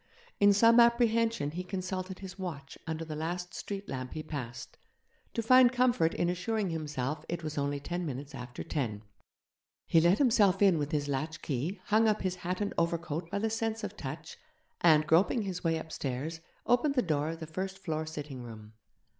In some apprehension he consulted his watch under the last street lamp he passed, to find comfort in assuring himself it was only ten minutes after ten. He let himself in with his latch key, hung up his hat and overcoat by the sense of touch, and, groping his way upstairs, opened the door of the first floor sitting room.